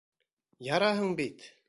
Яраһың бит!